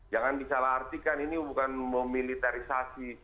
jangan disalah artikan ini bukan memilitarisasi